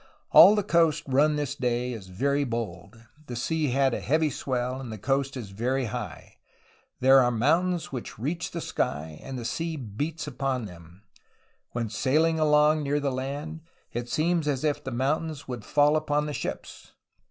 All the coast run this day is very bold; the sea has a heavy swell and the coast is very high. There are mountains which reach the sky, and the sea beats upon them. When sailing along near the land, it seems as if the mountains would fall upon the ships.